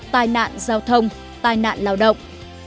tai nạn giao thông tai nạn lao động